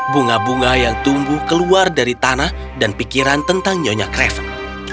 bunga bunga yang tumbuh keluar dari tanah dan pikiran tentang nyonya craven